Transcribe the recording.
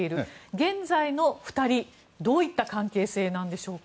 現在の２人、どういった関係性なのでしょうか。